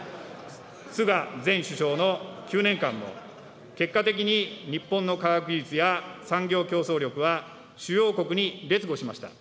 菅前首相の９年間も結果的に日本の科学技術や産業競争力は主要国に劣後しました。